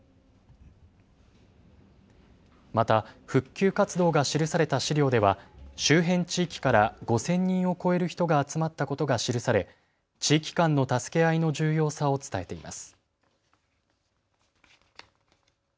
また復旧活動が記された資料では周辺地域から５０００人を超える人が集まったことが記され地域間の助け合いの重要さを伝えています。